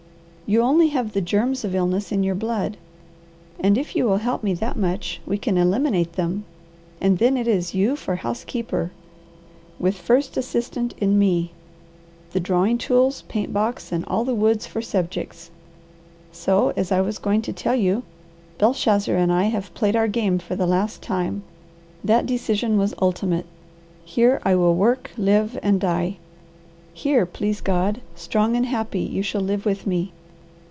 You only have the germs of illness in your blood, and if you will help me that much we can eliminate them; and then it is you for housekeeper, with first assistant in me, the drawing tools, paint box, and all the woods for subjects. So, as I was going to tell you, Belshazzar and I have played our game for the last time. That decision was ultimate. Here I will work, live, and die. Here, please God, strong and happy, you shall live with me.